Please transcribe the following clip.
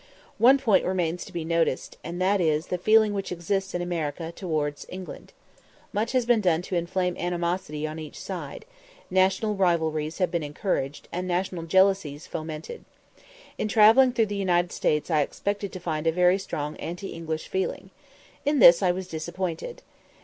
One point remains to be noticed, and that is, the feeling which exists in America towards England. Much has been done to inflame animosity on each side; national rivalries have been encouraged, and national jealousies fomented. In travelling through the United States I expected to find a very strong anti English feeling. In this I was disappointed.